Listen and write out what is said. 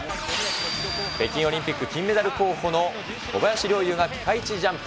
北京オリンピック金メダル候補の小林陵侑がピカイチジャンプ。